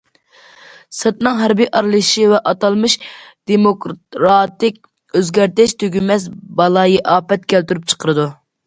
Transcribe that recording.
سىرتنىڭ ھەربىي ئارىلىشىشى ۋە ئاتالمىش دېموكراتىك ئۆزگەرتىش تۈگىمەس بالايىئاپەت كەلتۈرۈپ چىقىرىدۇ.